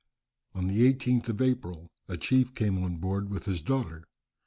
On the 18th of April, a chief came on board with his daughter.